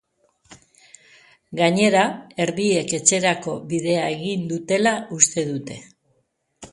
Gainera, erdiek etxerako bidea egin dutela uste dute.